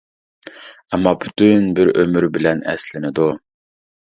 ئەمما پۈتۈن بىر ئۆمۈر بىلەن ئەسلىنىدۇ.